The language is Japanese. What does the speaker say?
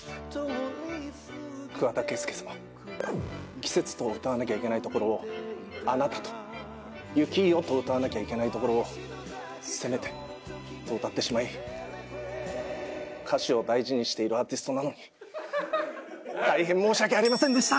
「季節」と歌わなきゃいけない所を「あなた」と「雪よ」と歌わなきゃいけない所を「せめて」と歌ってしまい歌詞を大事にしているアーティストなのに大変申し訳ありませんでした！